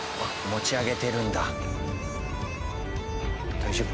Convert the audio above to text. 大丈夫？